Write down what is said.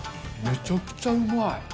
めちゃくちゃうまい。